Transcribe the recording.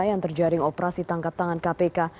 yang terjaring operasi tangkap tangan kpk